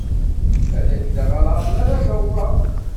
Ad ak-d-ɣreɣ mi ara awḍeɣ.